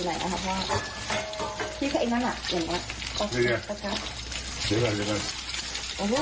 ตรงไหวพี่เข็นอะไรอยู่ไหนนะคะ